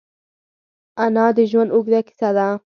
انا د ژوند اوږده کیسه ده